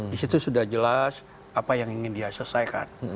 di situ sudah jelas apa yang ingin dia selesaikan